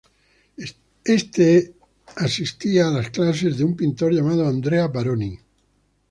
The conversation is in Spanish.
Este asistía a las clases de un pintor llamado Andrea Baroni.